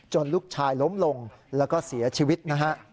ลูกชายล้มลงแล้วก็เสียชีวิตนะฮะ